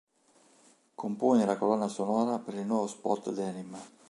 Compone la colonna sonora per il nuovo spot Denim.